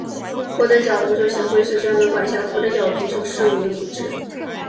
佛得角足球协会是专门管辖佛得角足球事务的组织。